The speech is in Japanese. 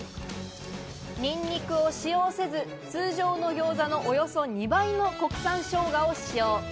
ニンニクを使用せず、通常の餃子のおよそ２倍の国産生姜を使用。